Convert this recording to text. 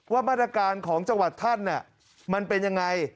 ว่าบรรดาการของจังหวัดท่านมันเป็นอย่างไร